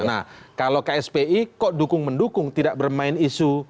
nah kalau kspi kok dukung mendukung tidak bermain isu